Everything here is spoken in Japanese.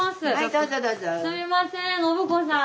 すいません信子さん。